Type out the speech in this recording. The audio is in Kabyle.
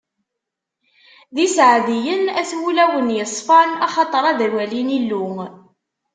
D iseɛdiyen, at wulawen yeṣfan, axaṭer ad walin Illu!